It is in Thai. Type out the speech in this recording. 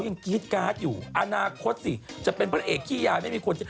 กรี๊ดการ์ดอยู่อนาคตสิจะเป็นพระเอกขี้ยายไม่มีคน